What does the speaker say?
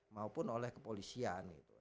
maupun oleh kepolisian gitu